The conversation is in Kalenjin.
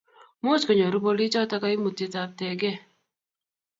much konyoru bolichoto kaimutietab tege